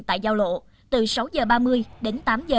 tại giao lộ từ sáu h ba mươi đến tám h